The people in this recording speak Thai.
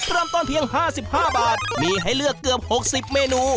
เริ่มต้นเพียง๕๕บาทมีให้เลือกเกือบ๖๐เมนู